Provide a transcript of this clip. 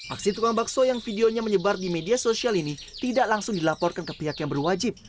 aksi tukang bakso yang videonya menyebar di media sosial ini tidak langsung dilaporkan ke pihak yang berwajib